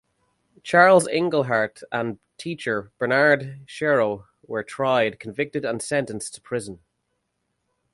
Charles Engelhardt and teacher Bernard Shero were tried, convicted and sentenced to prison.